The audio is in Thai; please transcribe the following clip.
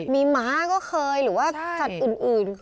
มีม้าก็เคยหรือว่าสัตว์อื่น